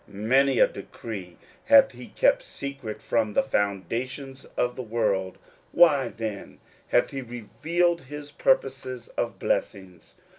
Many a decree hath he kept secret from the foundations of the world ; why then, hath he revealed his purposes of blessing ?